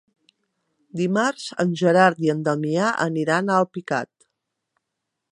Dimarts en Gerard i en Damià aniran a Alpicat.